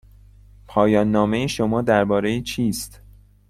پایان نامه شما درباره چیست؟